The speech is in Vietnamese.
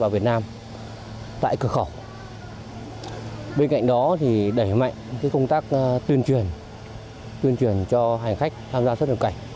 bên cạnh đó đẩy mạnh công tác tuyên truyền cho hành khách tham gia xuất nhập cảnh